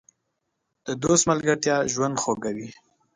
د دوست ملګرتیا ژوند خوږوي.